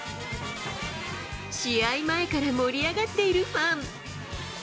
試合前から盛り上がっているファン。